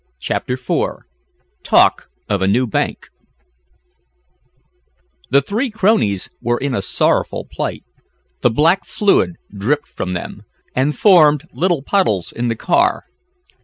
CHAPTER IV TALK OF A NEW BANK The three cronies were in a sorrowful plight. The black fluid dripped from them, and formed little puddles in the car.